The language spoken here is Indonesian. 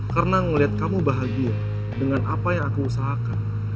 karena ngeliat kamu bahagia dengan apa yang aku usahakan